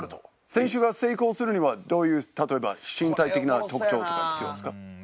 選手が成功するにはどういう例えば身体的な特徴とか必要ですか？